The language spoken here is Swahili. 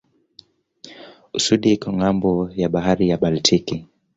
Uswidi iko ng'ambo ya bahari ya Baltiki.